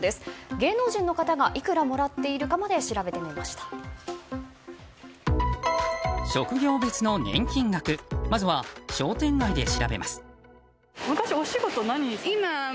芸能人の方がいくらもらっているのかまで職業別の年金額まずは商店街で調べます。